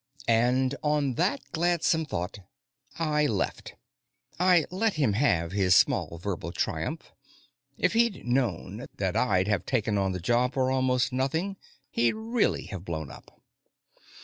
And, on that gladsome thought, I left. I let him have his small verbal triumph; if he'd known that I'd have taken on the job for almost nothing, he'd really have blown up.